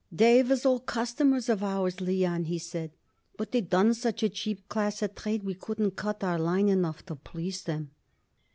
"They was old customers of ours, Leon," he said, "but they done such a cheap class of trade we couldn't cut our line enough to please 'em."